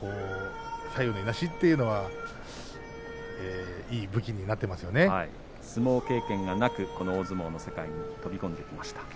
左右のいなしというのは相撲経験がなくこの相撲の世界に飛び込んできました